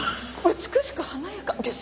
「美しく華やか」ですよ？